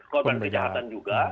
korban kejahatan juga